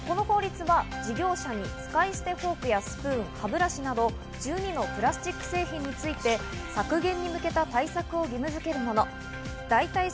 この法律が事業者に使い捨てフォークやスプーン、歯ブラシなど１２のプラスチック製品について削減に向けた対策を義務づけるもの。